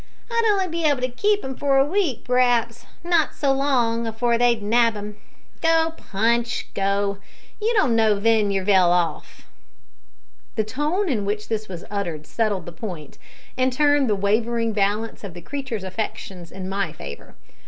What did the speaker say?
I'd on'y be able to keep 'im for a week, p'r'aps not so long, afore they'd nab him. Go, Punch, go, you don't know ven you're vell off." The tone in which this was uttered settled the point, and turned the wavering balance of the creature's affections in my favour.